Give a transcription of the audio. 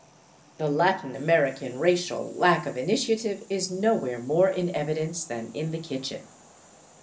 The Latin American racial lack of initiative is nowhere more in evi dence than in the kitchen.